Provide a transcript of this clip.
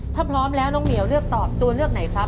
ถ้าพร้อมแล้วน้องเหมียวเลือกตอบตัวเลือกไหนครับ